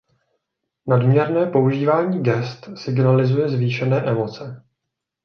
Nadměrné používání gest signalizuje zvýšené emoce.